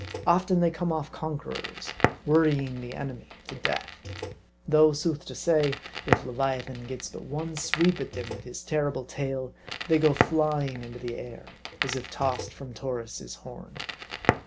Often they come off conquerors, worrying the enemy to death. Though, sooth to say, if leviathan gets but one sweep at them with his terrible tail, they go flying into the air, as if tossed from Taurus' horn.